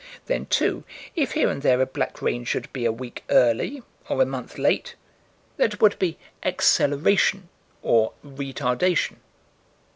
Then, too, if here and there a black rain should be a week early or a month late that would be "acceleration" or "retardation."